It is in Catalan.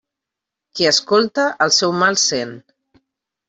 Qui escolta el seu mal sent.